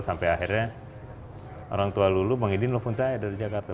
sampai akhirnya orang tua lulu mengizin nelfon saya dari jakarta